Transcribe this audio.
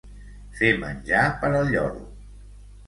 Fer menjar per al lloro.